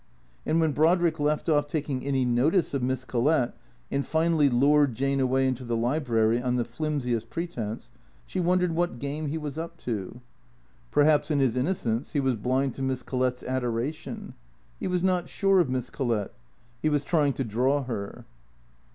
And when Brod rick left off taking any notice of Miss Collett, and finally lured Jane away into the library on the flimsiest pretence, she won dered what game he was up to. Perhaps in his innocence he was blind to Miss Collett's adoration. He was not sure of Miss Collett. He was trying to draw her.